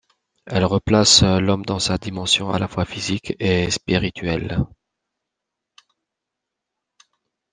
Elle replace l'homme dans sa dimension à la fois physique et spirituelle.